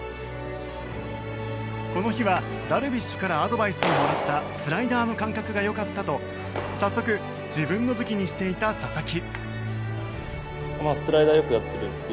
この日はダルビッシュからアドバイスをもらったスライダーの感覚が良かったと早速自分の武器にしていた佐々木。